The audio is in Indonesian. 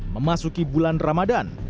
memasuki bulan ramadan